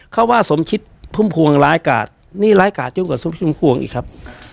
เขาว่าทรงขิตพุ่มพลวงหลายกาสนี่หลายกาสเจ้ากว่าทรงพลวงแล้วกับครับ